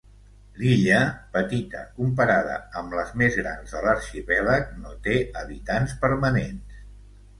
L'illa, petita comparada amb les més grans de l'arxipèlag, no té habitants permanents.